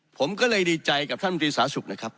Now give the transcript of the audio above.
ผมก็เลยดีใจกับท่านตรีสาสุขนะครับ